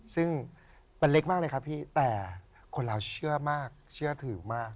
ซึ่งมันเล็กมากเลยครับพี่แต่คนเราเชื่อมากเชื่อถือมาก